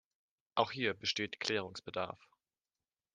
Auch hier besteht Klärungsbedarf.